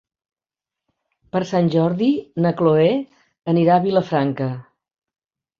Per Sant Jordi na Cloè anirà a Vilafranca.